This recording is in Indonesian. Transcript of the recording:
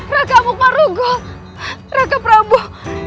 raka raka amukmar rukul raka prabu